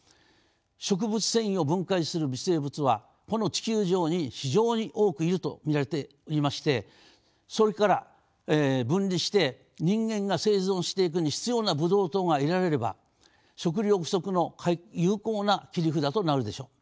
植物繊維を分解する微生物はこの地球上に非常に多くいると見られていましてそれから分離して人間が生存していくに必要なブドウ糖が得られれば食糧不足の有効な切り札となるでしょう。